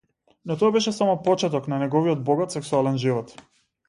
Но тоа беше само почеток на неговиот богат сексуален живот.